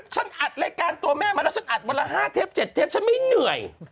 อัดรายการตัวแม่มาแล้วฉันอัดวันละ๕เทป๗เทปฉันไม่เหนื่อย